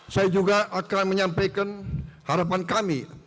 saya juga akan menyampaikan harapan kami